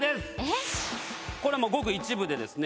これごく一部でですね。